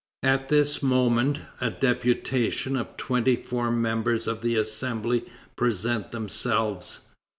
At this moment, a deputation of twenty four members of the Assembly present themselves.